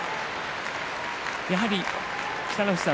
やはり北の富士さん